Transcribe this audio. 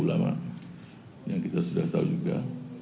ulama yang kita sudah tahu juga